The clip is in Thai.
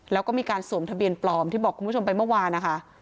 แล้วก็มีการสวมทะเบียนปลอมที่บอกคุณผู้ชมไปเมื่อวานนะคะ